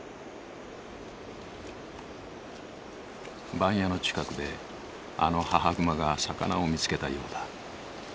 番屋の近くであの母熊が魚を見つけたようだ。